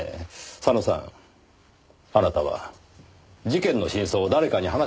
佐野さんあなたは事件の真相を誰かに話しましたね？